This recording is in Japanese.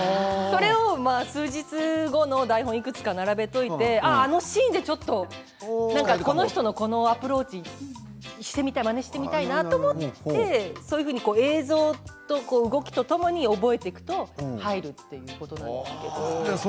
それを数日後の台本をいくつか並べておいてあのシーンでちょっとこの人のこのアプローチしてみたいまねしてみたいと思って映像と動きとともに覚えていくと入るということなんですけど。